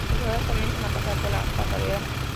Los soldados comienzan a pasar por la pasarela.